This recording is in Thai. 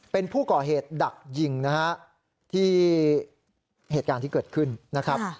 เป็นผู้ก่อเหตุดักยิงนะฮะที่เหตุการณ์ที่เกิดขึ้นนะครับ